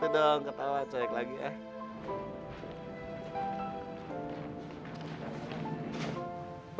ya gitu dong ketawa cewek lagi ya